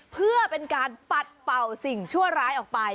เพื่อเป็นการปัดเป่าสิ่งชั่วร้ายออกไป